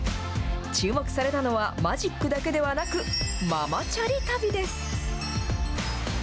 注目されたのは、マジックだけではなく、ママチャリ旅です。